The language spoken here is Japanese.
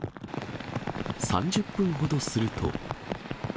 ３０分ほどすると。